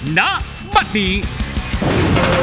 นาบัตเมีย